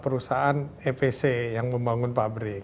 perusahaan epc yang membangun pabrik